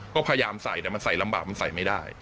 ก็พยายามใส่แต่มันใส่ลำบากมันใส่ไม่ได้